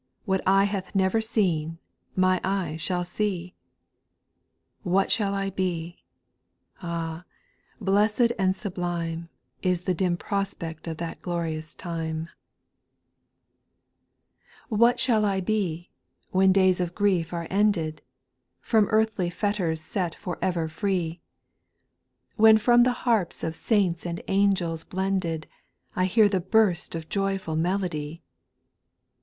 What eye hath never seen, my eye shall see. What shall I be ? Ah I blessed and sublime la the dim prospect of that glorious time 1 SPIRITUAL 80N0S, 405 8. What shall I be? when days of grief are ended, From earthly fetters set for ever free ; When from the harps of saints and angels blended, I hear the burst of joyful melody